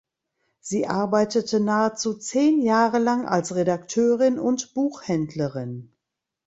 Sie arbeitete nahezu zehn Jahre lang als Redakteurin und Buchhändlerin.